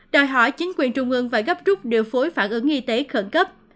đòi hỏi chính quyền trung ương phải gấp rút điều phối phản ứng y tế khẩn cấp